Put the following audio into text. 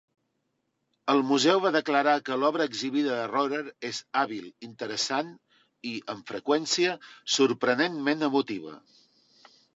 El museu va declarar que l"obra exhibida de Rohrer és hàbil, interessant i, amb freqüència, sorprenentment emotiva.